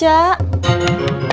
ya buat dibaca